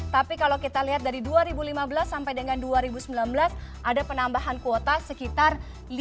tapi kalau kita lihat dari dua ribu lima belas sampai dengan dua ribu sembilan belas ada penambahan kuota sekitar